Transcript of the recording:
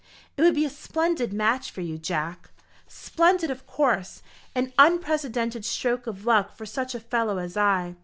"It would be a splendid match for you, Jack." "Splendid, of course. An unprecedented stroke of luck for such a fellow as I.